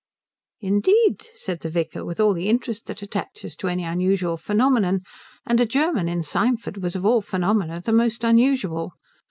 "Indeed?" said the vicar, with all the interest that attaches to any unusual phenomenon, and a German in Symford was of all phenomena the most unusual.